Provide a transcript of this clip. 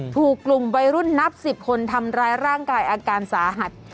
ถูกกลุ่มวัยรุ่นนับ๑๐คนทำร้ายร่างกายอาการสาหัส